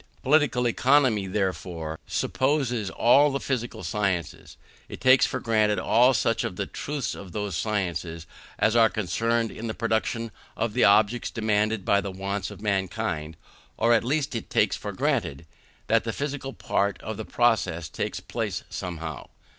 Political Economy, therefore, presupposes all the physical sciences; it takes for granted all such of the truths of those sciences as are concerned in the production of the objects demanded by the wants of mankind; or at least it takes for granted that the physical part of the process takes place somehow.